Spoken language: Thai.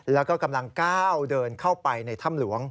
แล้วก็กำลังก้าวเดินเข้าไปในถ้ำหลวง